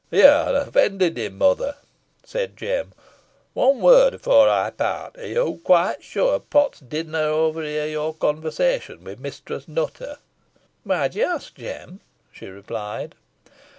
"Yo han offended him, mother," said Jem. "One word efore ey start. Are ye quite sure Potts didna owerhear your conversation wi' Mistress Nutter?" "Why d'ye ask, Jem?" she replied.